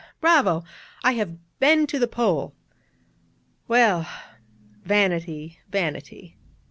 Bravo! I have been to the Pole!' Well, vanity, vanity.